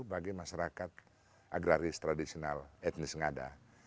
bagi masyarakat agraris tradisional etnis ngada